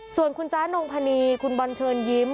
ส่วนคุณจ๊ะนงพนีคุณบอลเชิญยิ้ม